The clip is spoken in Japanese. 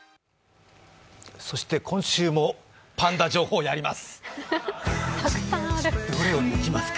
そして今週もパンダ情報やります。